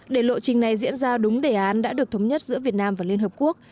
để lộ trình này diễn ra đúng đề án đã được thống nhất giữa việt nam và liên hợp quốc